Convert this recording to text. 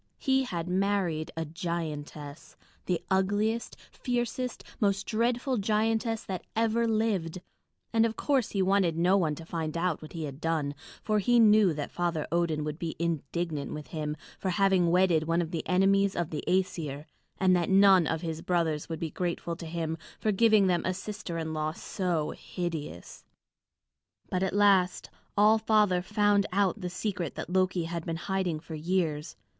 He had married a giantess, the ugliest, fiercest, most dreadful giantess that ever lived; and of course he wanted no one to find out what he had done, for he knew that Father Odin would be indignant with him for having wedded one of the enemies of the Æsir, and that none of his brothers would be grateful to him for giving them a sister in law so hideous. But at last All Father found out the secret that Loki had been hiding for years.